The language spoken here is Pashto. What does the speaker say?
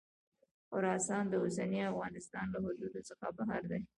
خراسان د اوسني افغانستان له حدودو څخه بهر دی.